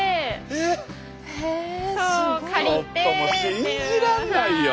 信じらんないよ。